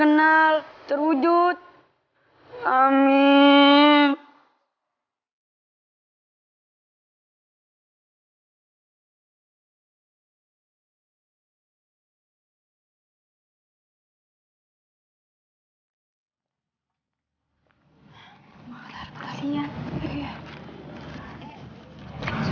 terkenal terwujud amin